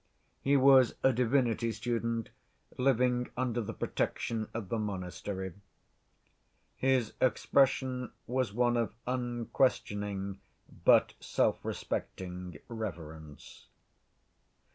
He was a divinity student, living under the protection of the monastery. His expression was one of unquestioning, but self‐respecting, reverence.